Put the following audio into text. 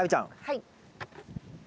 はい。